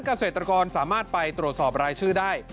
เกษตรกรสามารถไปตรวจสอบรายชื่อได้